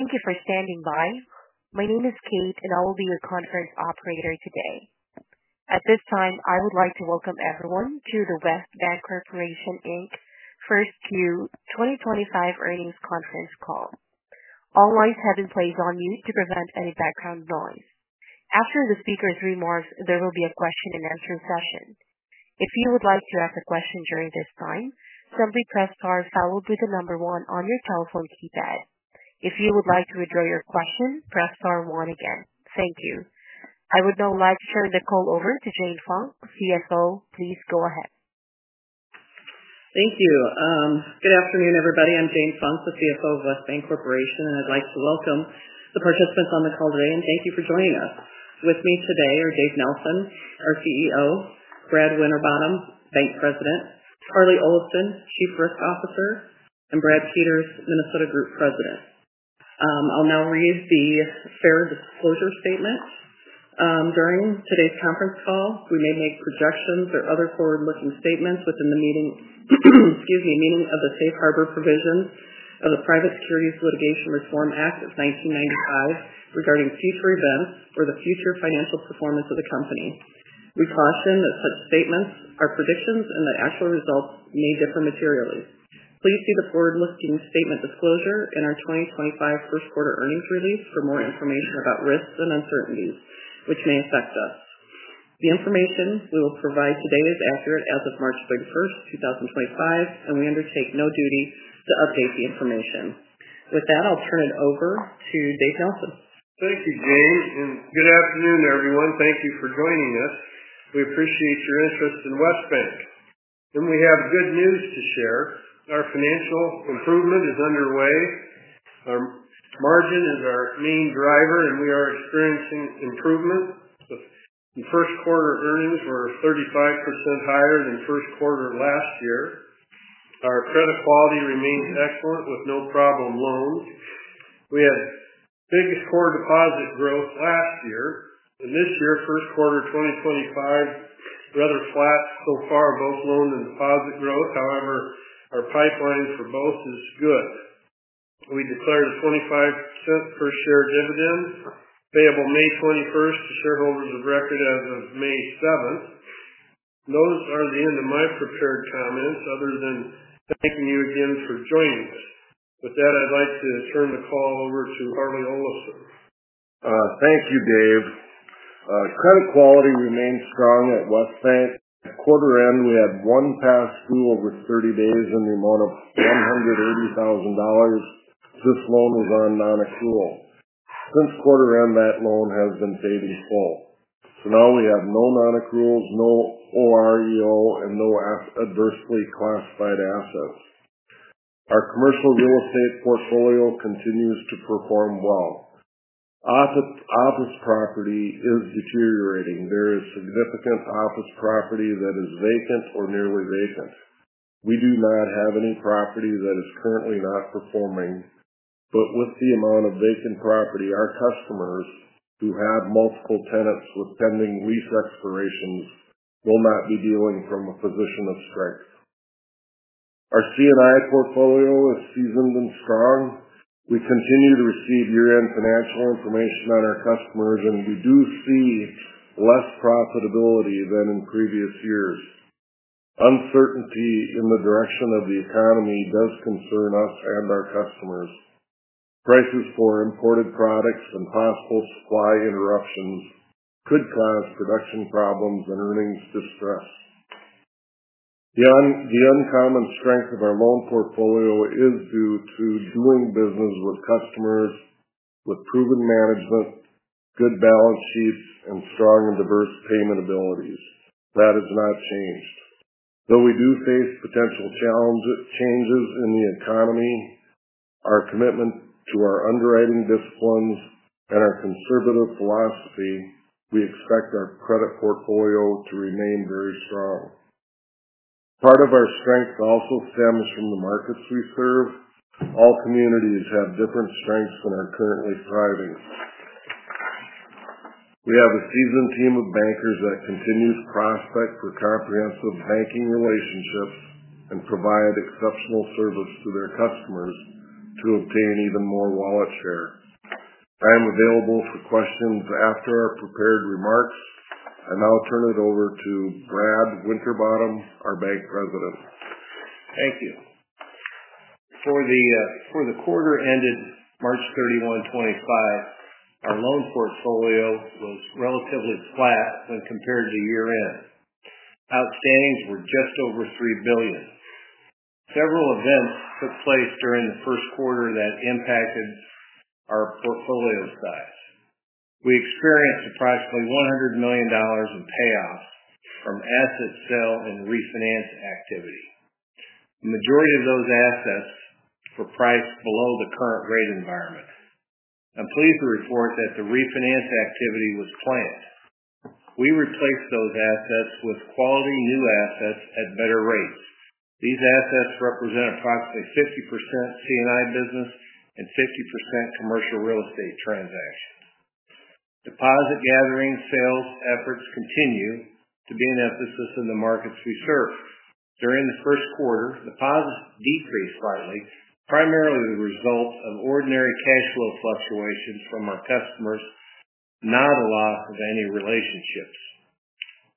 Thank you for standing by. My name is Kate, and I will be your conference operator today. At this time, I would like to welcome everyone to the West Bancorporation first Q 2025 earnings conference call. All lines have been placed on mute to prevent any background noise. After the speaker's remarks, there will be a question-and-answer session. If you would like to ask a question during this time, simply press star followed with the number one on your telephone keypad. If you would like to withdraw your question, press star one again. Thank you. I would now like to turn the call over to Jane Funk, CFO. Please go ahead. Thank you. Good afternoon, everybody. I'm Jane Funk, the CFO of West Bancorporation, and I'd like to welcome the participants on the call today, and thank you for joining us. With me today are Dave Nelson, our CEO; Brad Winterbottom, Bank President; Harlee Olafson, Chief Risk Officer; and Brad Peters, Minnesota Group President. I'll now read the fair disclosure statement. During today's conference call, we may make projections or other forward-looking statements within the meaning of the Safe Harbor Provisions of the Private Securities Litigation Reform Act of 1995 regarding future events or the future financial performance of the compan The information we will provide today is accurate as of March 31, 2025, and we undertake no duty to update the information. With that, I'll turn it over to Dave Nelson. Thank you, Jane, and good afternoon, everyone. Thank you for joining us. We appreciate your interest in West Bank, and we have good news to share. Our financial improvement is underway. Our margin is our main driver, and we are experiencing improvement. The first quarter earnings were 35% higher than first quarter last year. Our credit quality remains excellent with no problem loans. We had big core deposit growth last year, and this year, first quarter 2025, rather flat so far, both loan and deposit growth. However, our pipeline for both is good. We declared a 25% per share dividend payable May 21 to shareholders of record as of May 7. Those are the end of my prepared comments other than thanking you again for joining us. With that, I'd like to turn the call over to Harlee Olafson. Thank you, Dave. Credit quality remains strong at West Bank. At quarter end, we had one past due over 30 days in the amount of $180,000. This loan was on non-accrual. Since quarter end, that loan has been paid in full. Now we have no non-accruals, no OREO, and no adversely classified assets. Our commercial real estate portfolio continues to perform well. Office property is deteriorating. There is significant office property that is vacant or nearly vacant. We do not have any property that is currently not performing, but with the amount of vacant property, our customers who have multiple tenants with pending lease expirations will not be dealing from a position of strength. Our CNI portfolio is seasoned and strong. We continue to receive year-end financial information on our customers, and we do see less profitability than in previous years. Uncertainty in the direction of the economy does concern us and our customers. Prices for imported products and possible supply interruptions could cause production problems and earnings distress. The uncommon strength of our loan portfolio is due to doing business with customers with proven management, good balance sheets, and strong and diverse payment abilities. That has not changed. Though we do face potential changes in the economy, our commitment to our underwriting disciplines and our conservative philosophy, we expect our credit portfolio to remain very strong. Part of our strength also stems from the markets we serve. All communities have different strengths and are currently thriving. We have a seasoned team of bankers that continues to prospect for comprehensive banking relationships and provide exceptional service to their customers to obtain even more wallet share. I'm available for questions after our prepared remarks. I now turn it over to Brad Winterbottom, our Bank President. Thank you. Before the quarter ended March 31, 2025, our loan portfolio was relatively flat when compared to year-end. Outstandings were just over $3 billion. Several events took place during the first quarter that impacted our portfolio size. We experienced approximately $100 million in payoffs from asset sale and refinance activity. The majority of those assets were priced below the current rate environment. I'm pleased to report that the refinance activity was planned. We replaced those assets with quality new assets at better rates. These assets represent approximately 50% CNI business and 50% commercial real estate transactions. Deposit gathering sales efforts continue to be an emphasis in the markets we serve. During the first quarter, deposits decreased slightly, primarily the result of ordinary cash flow fluctuations from our customers, not a loss of any relationships.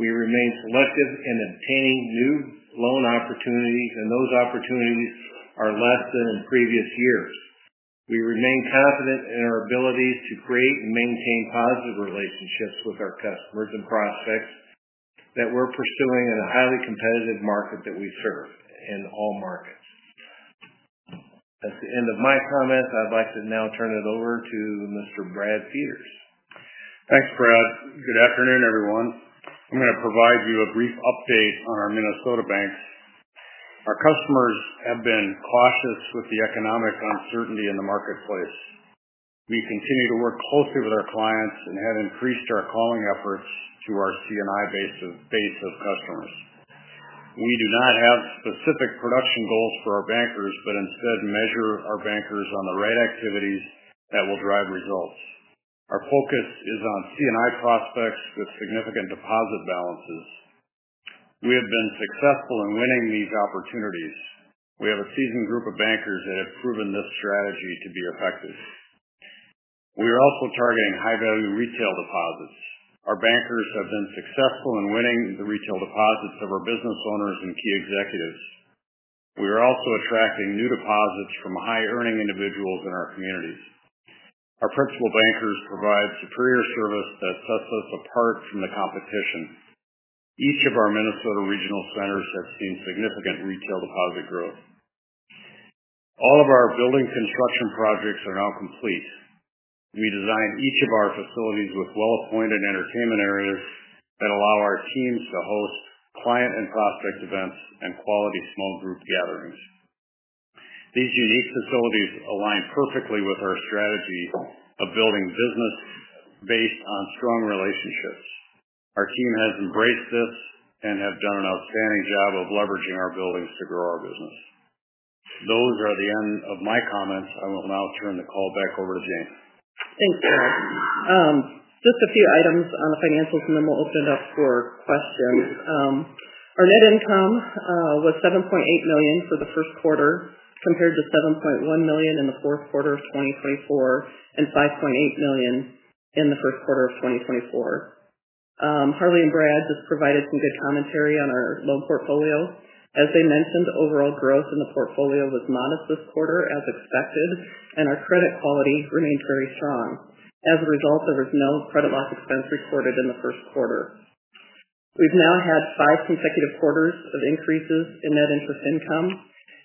We remain selective in obtaining new loan opportunities, and those opportunities are less than in previous years. We remain confident in our abilities to create and maintain positive relationships with our customers and prospects that we're pursuing in a highly competitive market that we serve in all markets. That's the end of my comments. I'd like to now turn it over to Mr. Brad Peters. Thanks, Brad. Good afternoon, everyone. I'm going to provide you a brief update on our Minnesota Bank. Our customers have been cautious with the economic uncertainty in the marketplace. We continue to work closely with our clients and have increased our calling efforts to our CNI base of customers. We do not have specific production goals for our bankers, but instead measure our bankers on the right activities that will drive results. Our focus is on CNI prospects with significant deposit balances. We have been successful in winning these opportunities. We have a seasoned group of bankers that have proven this strategy to be effective. We are also targeting high-value retail deposits. Our bankers have been successful in winning the retail deposits of our business owners and key executives. We are also attracting new deposits from high-earning individuals in our communities. Our principal bankers provide superior service that sets us apart from the competition. Each of our Minnesota regional centers has seen significant retail deposit growth. All of our building construction projects are now complete. We designed each of our facilities with well-appointed entertainment areas that allow our teams to host client and prospect events and quality small group gatherings. These unique facilities align perfectly with our strategy of building business based on strong relationships. Our team has embraced this and has done an outstanding job of leveraging our buildings to grow our business. Those are the end of my comments. I will now turn the call back over to Jane. Thanks, Brad. Just a few items on the financials, and then we'll open it up for questions. Our net income was $7.8 million for the first quarter compared to $7.1 million in the fourth quarter of 2024 and $5.8 million in the first quarter of 2024. Harlee and Brad just provided some good commentary on our loan portfolio. As they mentioned, overall growth in the portfolio was modest this quarter, as expected, and our credit quality remained very strong. As a result, there was no credit loss expense reported in the first quarter. We've now had five consecutive quarters of increases in net interest income,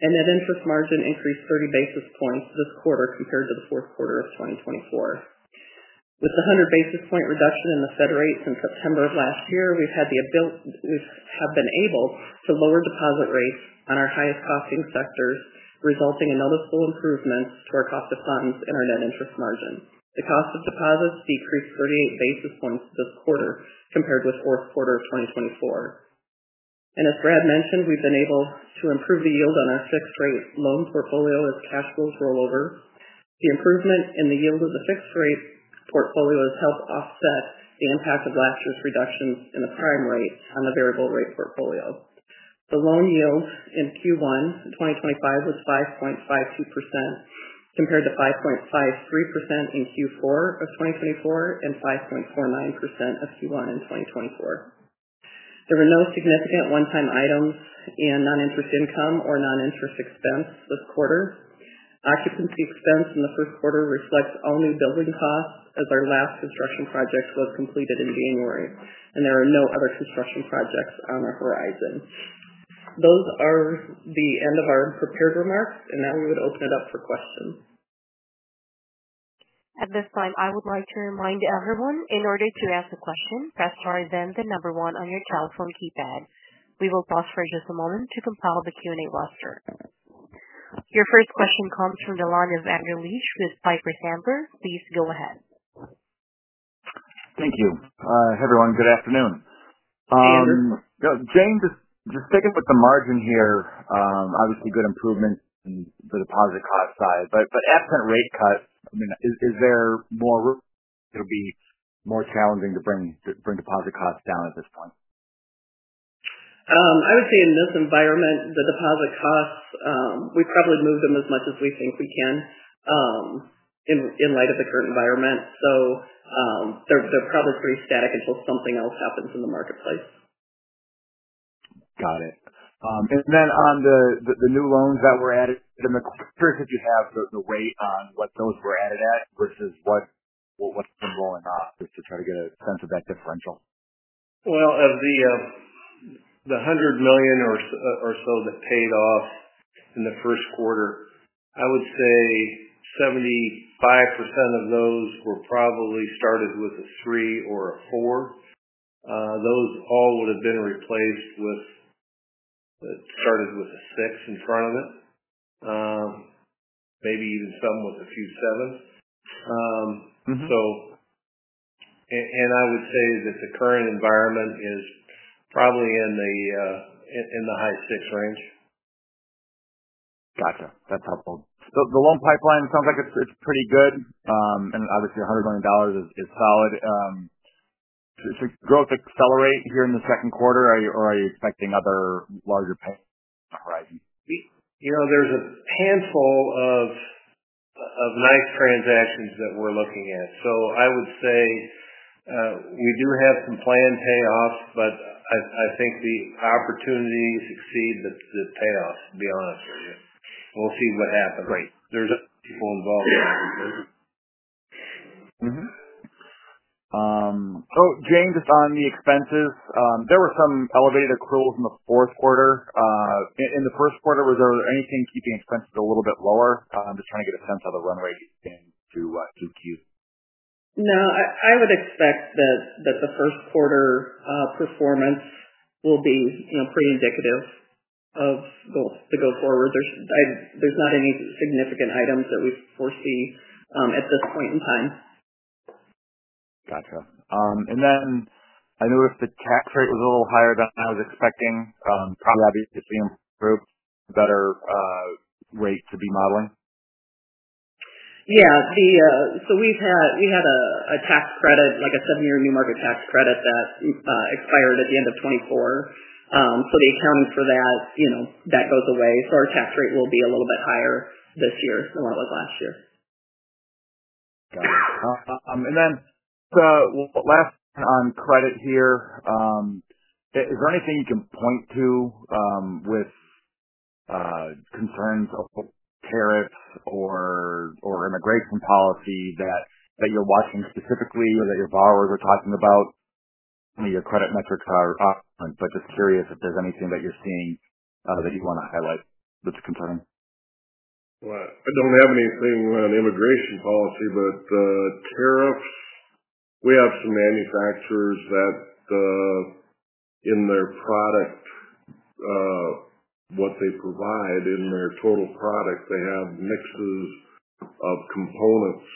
and net interest margin increased 30 basis points this quarter compared to the fourth quarter of 2024. With the 100 basis point reduction in the Fed rates in September of last year, we have been able to lower deposit rates on our highest costing sectors, resulting in noticeable improvements to our cost of funds and our net interest margin. The cost of deposits decreased 38 basis points this quarter compared with the fourth quarter of 2024. As Brad mentioned, we've been able to improve the yield on our fixed-rate loan portfolio as cash flows roll over. The improvement in the yield of the fixed-rate portfolio has helped offset the impact of last year's reductions in the prime rate on the variable-rate portfolio. The loan yield in Q1 2025 was 5.52% compared to 5.53% in Q4 of 2024 and 5.49% in Q1 of 2024. There were no significant one-time items in non-interest income or non-interest expense this quarter. Occupancy expense in the first quarter reflects all new building costs as our last construction project was completed in January, and there are no other construction projects on the horizon. Those are the end of our prepared remarks, and now we would open it up for questions. At this time, I would like to remind everyone in order to ask a question, press star then the number one on your telephone keypad. We will pause for just a moment to compile the Q&A roster. Your first question comes from Delania VanderLeach with Piper Sandler. Please go ahead. Thank you. Hey, everyone. Good afternoon. Jane. Jane, just sticking with the margin here, obviously good improvement in the deposit cost side, but absent rate cuts, I mean, is there more room? It'll be more challenging to bring deposit costs down at this point. I would say in this environment, the deposit costs, we probably move them as much as we think we can in light of the current environment. They are probably pretty static until something else happens in the marketplace. Got it. On the new loans that were added in the quarter, could you have the weight on what those were added at versus what has been rolling off just to try to get a sense of that differential? Of the $100 million or so that paid off in the first quarter, I would say 75% of those were probably started with a 3 or a 4. Those all would have been replaced with started with a 6 in front of it, maybe even some with a few 7s. I would say that the current environment is probably in the high 6 range. Gotcha. That's helpful. The loan pipeline, it sounds like it's pretty good, and obviously $100 million is solid. Does growth accelerate here in the second quarter, or are you expecting other larger payments on the horizon? There's a handful of nice transactions that we're looking at. I would say we do have some planned payoffs, but I think the opportunity to succeed is the payoffs, to be honest with you. We'll see what happens. Great. There's other people involved in that. Oh, Jane, just on the expenses, there were some elevated accruals in the fourth quarter. In the first quarter, was there anything keeping expenses a little bit lower? Just trying to get a sense of the run rate into Q. No, I would expect that the first quarter performance will be pretty indicative of the go forward. There is not any significant items that we foresee at this point in time. Gotcha. I noticed the tax rate was a little higher than I was expecting. Probably, obviously, improved a better rate to be modeling? Yeah. We had a tax credit, like a seven-year new markets tax credit that expired at the end of 2024. The accounting for that goes away. Our tax rate will be a little bit higher this year than what it was last year. Got it. Last on credit here, is there anything you can point to with concerns of tariffs or immigration policy that you're watching specifically or that your borrowers are talking about? Your credit metrics are up, but just curious if there's anything that you're seeing that you want to highlight that's concerning. I do not have anything on immigration policy, but tariffs, we have some manufacturers that in their product, what they provide in their total product, they have mixes of components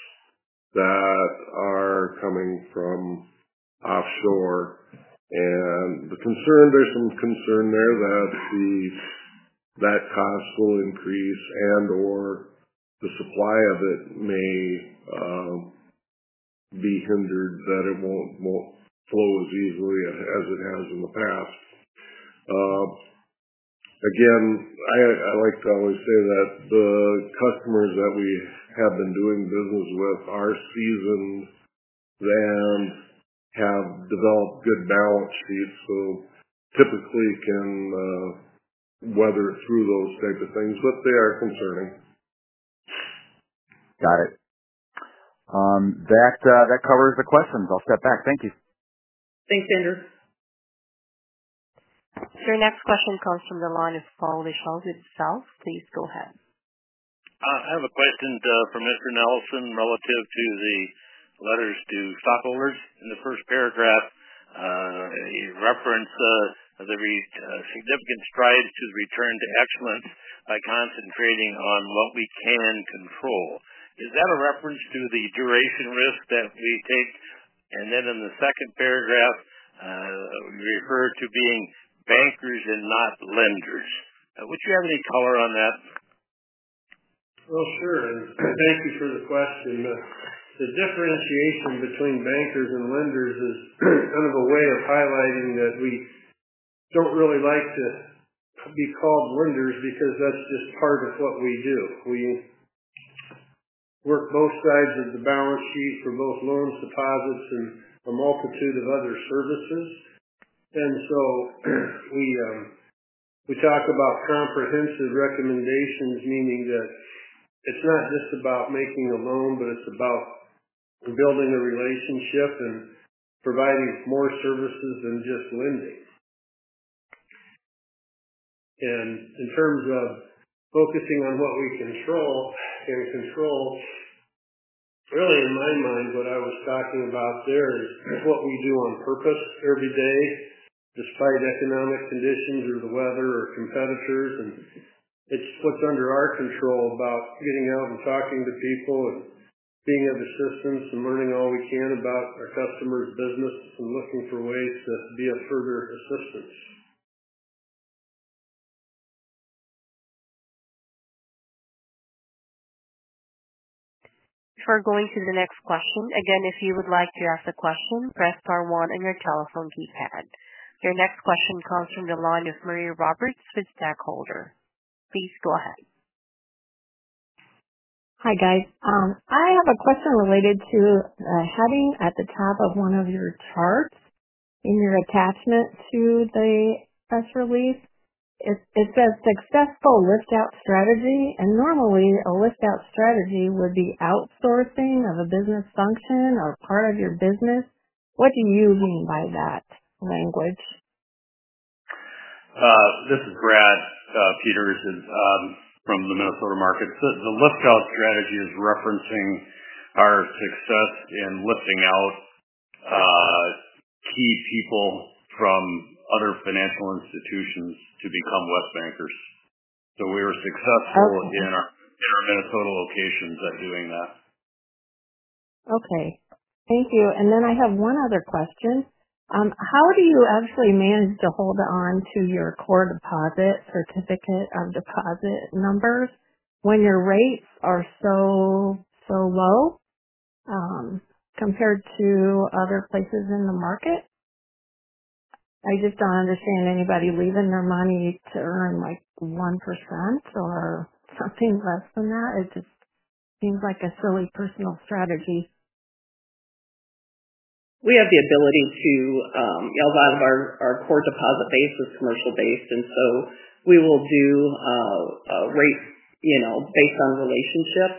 that are coming from offshore. The concern, there is some concern there that that cost will increase and/or the supply of it may be hindered, that it will not flow as easily as it has in the past. Again, I like to always say that the customers that we have been doing business with are seasoned and have developed good balance sheets, so typically can weather through those types of things, but they are concerning. Got it. That covers the questions. I'll step back. Thank you. Thanks, Andrew. Your next question comes from Delania Falk with Shelby itself. Please go ahead. I have a question for Mr. Nelson relative to the letters to stockholders. In the first paragraph, he referenced the significant strides to return to excellence by concentrating on what we can control. Is that a reference to the duration risk that we take? In the second paragraph, you refer to being bankers and not lenders. Would you have any color on that? Sure. Thank you for the question. The differentiation between bankers and lenders is kind of a way of highlighting that we do not really like to be called lenders because that is just part of what we do. We work both sides of the balance sheet for both loans, deposits, and a multitude of other services. We talk about comprehensive recommendations, meaning that it is not just about making a loan, but it is about building a relationship and providing more services than just lending. In terms of focusing on what we control and control, really in my mind, what I was talking about there is what we do on purpose every day, despite economic conditions or the weather or competitors. It's what's under our control about getting out and talking to people and being of assistance and learning all we can about our customers' business and looking for ways to be of further assistance. Before going to the next question, again, if you would like to ask a question, press star one on your telephone keypad. Your next question comes from Delania Free Roberts with Stockholder. Please go ahead. Hi guys. I have a question related to the heading at the top of one of your charts in your attachment to the press release. It says successful lift-out strategy. Normally, a lift-out strategy would be outsourcing of a business function or part of your business. What do you mean by that language? This is Brad Peters from the Minnesota markets. The lift-out strategy is referencing our success in lifting out key people from other financial institutions to become West Bankers. We were successful in our Minnesota locations at doing that. Okay. Thank you. I have one other question. How do you actually manage to hold on to your core deposit certificate of deposit numbers when your rates are so low compared to other places in the market? I just do not understand anybody leaving their money to earn 1% or something less than that. It just seems like a silly personal strategy. We have the ability to, you know, out of our core deposit base is commercial-based. And so we will do rates based on relationships.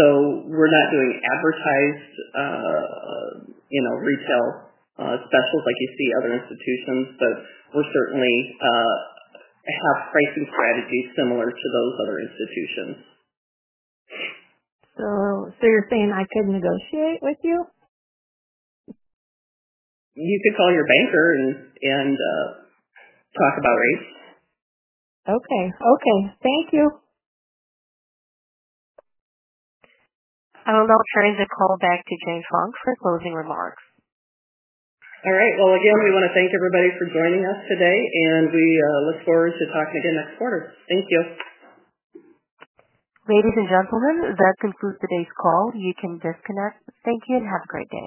So we're not doing advertised retail specials like you see other institutions, but we certainly have pricing strategies similar to those other institutions. You're saying I could negotiate with you? You could call your banker and talk about rates. Okay. Okay. Thank you. I will now turn the call back to Jane Funk for closing remarks. All right. Again, we want to thank everybody for joining us today, and we look forward to talking again next quarter. Thank you. Ladies and gentlemen, that concludes today's call. You can disconnect. Thank you and have a great day.